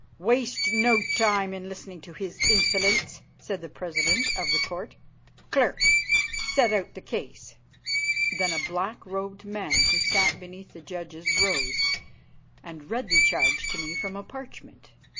"Waste no time in listening to his insolence," said the president of the Court. "Clerk, set out the case." Then a black robed man who sat beneath the judges rose and read the charge to me from a parchment.